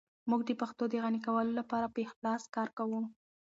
موږ د پښتو د غني کولو لپاره په اخلاص کار کوو.